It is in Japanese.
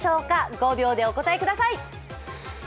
５秒でお答えください。